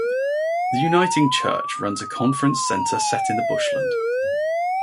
The Uniting Church runs a conference centre set in the bushland.